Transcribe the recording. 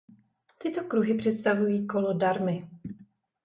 Tyto kruhy představují kolo dharmy.